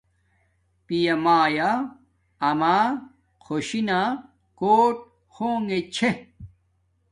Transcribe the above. پیامایا اما خوشی نا کوٹ ہونگے چھے